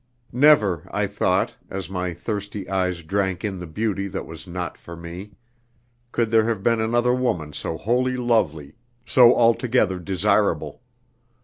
Never, I thought, as my thirsty eyes drank in the beauty that was not for me, could there have been another woman so wholly lovely, so altogether desirable.